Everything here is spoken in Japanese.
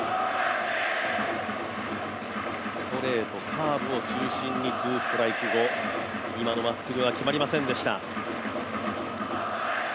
ストレート、カーブを中心にツーストライク後、今のまっすぐは決まりませんでした。